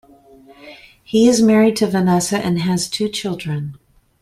He is married to Vanessa and has two children.